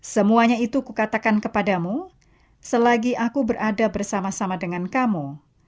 semuanya itu kukatakan kepadamu selagi aku berada bersama sama dengan kamu